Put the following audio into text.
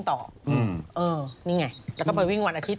จะวิ่งต่อเหรอนี่ไงแล้วก็ไปวิ่งวันอาทิตย์